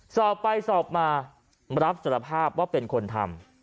สอบไปสอบมารับสารภาพว่าเป็นคนทำ